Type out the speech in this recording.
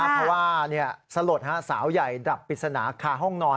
เพราะว่าสลดสาวใหญ่ดับปริศนาคาห้องนอน